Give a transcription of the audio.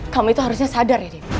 kamu itu harusnya sadar ya